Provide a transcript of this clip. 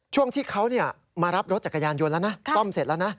ช่วงที่เขามารับรถจักรยานยนต์แล้วนะซ่อมเสร็จแล้วนะ